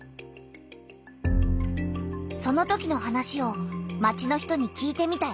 そのときの話を町の人に聞いてみたよ。